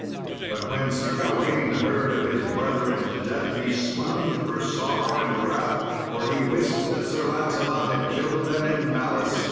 But when Sir Gawain heard of his brethren's death he swooned for sorrow and wrath, for he wist that Sir Lancelot had killed them in malice.